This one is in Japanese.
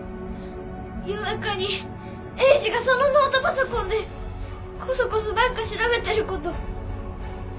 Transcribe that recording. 夜中にエイジがそのノートパソコンでこそこそ何か調べてること